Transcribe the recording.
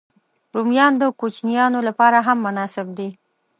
رومیان د کوچنيانو لپاره هم مناسب دي